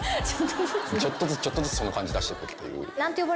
ちょっとずつちょっとずつその感じ出してくっていう。